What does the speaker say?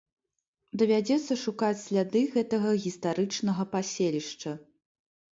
Давядзецца шукаць сляды гэтага гістарычнага паселішча.